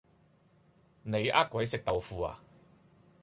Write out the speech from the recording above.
你呃鬼食豆腐呀